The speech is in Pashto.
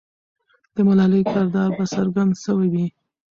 د ملالۍ کردار به څرګند سوی وي.